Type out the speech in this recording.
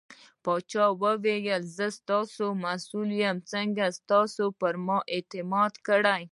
پاچا وويل :زه ستاسو ته مسوول يم ځکه تاسو پرما اعتماد کړٸ .